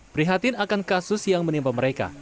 prihatin akan kasus yang menimpa mereka